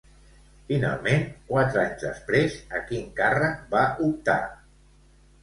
Finalment, quatre anys després, a quin càrrec va optar?